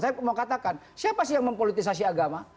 saya mau katakan siapa sih yang mempolitisasi agama